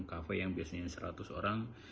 kafe yang biasanya seratus orang